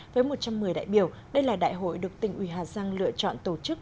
với một trăm một mươi đại biểu đây là đại hội được tỉnh uy hà giang lựa chọn tổ chức